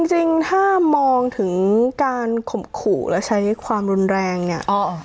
จริงถ้ามองถึงการข่มขู่และใช้ความรุนแรงเนี่ย